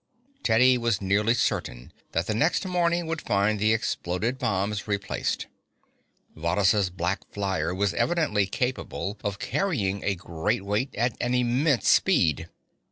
Teddy was nearly certain that the next morning would find the exploded bombs replaced. Varrhus' black flyer was evidently capable of carrying a great weight at an immense speed.